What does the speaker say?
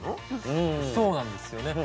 そうなんですよね。